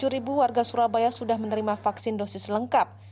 empat ratus delapan puluh tujuh ribu warga surabaya sudah menerima vaksin dosis lengkap